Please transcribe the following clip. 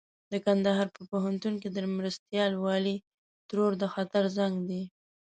د کندهار په پوهنتون کې د مرستيال والي ترور د خطر زنګ دی.